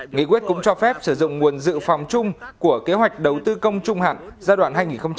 nghị quyết cũng cho phép sử dụng nguồn dự phòng chung của kế hoạch đầu tư công trung hạn giai đoạn hai nghìn một mươi sáu hai nghìn hai mươi